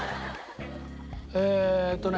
えっとね。